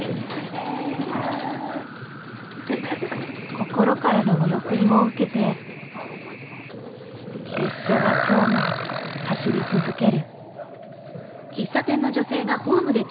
心からの見送りを受けて列車は今日も走り続ける。